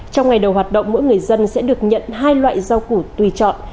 trong ngày đầu hoạt động mỗi người dân sẽ được nhận hai loại rau củ tùy chọn